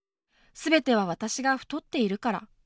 全ては私が太っているから。